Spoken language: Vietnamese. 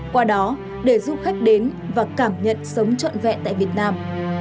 qua đó để du khách đến và cảm nhận sống trọn vẹn tại việt nam